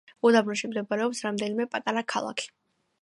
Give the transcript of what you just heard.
უდაბნოში მდებარეობს რამდენიმე პატარა ქალაქი.